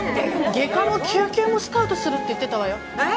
外科も救急も「スカウトする」って言ってたわよえっ！？